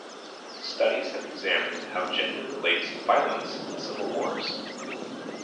Studies have examined how gender relates to violence in civil wars.